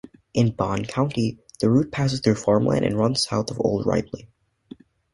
In Bond County, the route passes through farmland and runs south of Old Ripley.